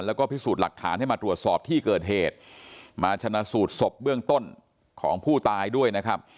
แล้วก็พิสูจน์หลักฐานให้มาตรวจสอบที่เกิดเหตุมาชนะสูตรศพเบื้องต้นของผู้ตายด้วยนะครับ